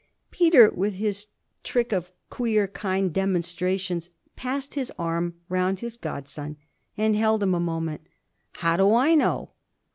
Peter, with his trick of queer kind demonstrations, passed his arm round his godson and held him a moment. 'How do I know?'